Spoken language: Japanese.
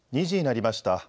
２時になりました。